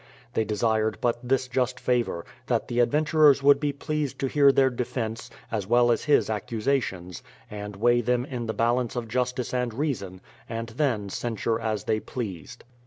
They desired but this just favour; that the adventurers would be pleased to hear their defence, as well as his accusations, and weigh them in the balance of justice and reason, and then censure as they pleased.